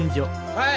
・はい。